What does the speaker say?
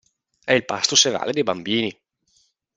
È il pasto serale dei bambini.